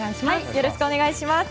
よろしくお願いします。